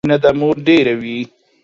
مينه د مور ډيره وي